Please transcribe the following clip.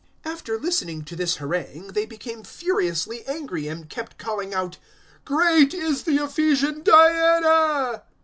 019:028 After listening to this harangue, they became furiously angry and kept calling out, "Great is the Ephesian Diana!"